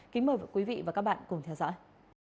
kính mời quý vị và các bạn cùng theo dõi